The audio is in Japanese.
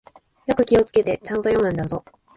よく気をつけて、ちゃんと読むんだぞ。